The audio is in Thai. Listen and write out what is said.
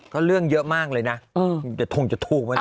ก็เรื่องเยอะมากเลยนะเดี๋ยวทงจะถูกไหมนะ